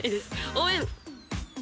応援！